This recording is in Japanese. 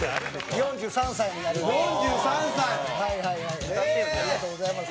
４３歳になりました。